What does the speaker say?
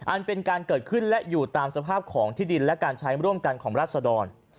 อันเป็นการเกิดขึ้นและอยู่ตามสภาพของที่ดินและการใช้ร่วมกันของราชดร